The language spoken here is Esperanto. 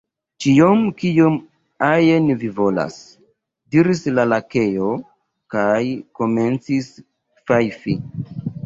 "Ĉion, kion ajn vi volas!" diris la Lakeo, kaj komencis fajfi.